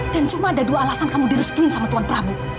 dan cuma ada dua alasan kamu diresepuin sama tuan prabu